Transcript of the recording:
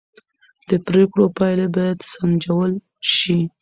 د پرېکړو پایلې باید سنجول شي